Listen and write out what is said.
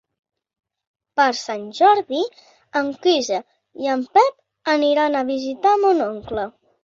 Per Sant Jordi en Quirze i en Pep aniran a visitar mon oncle.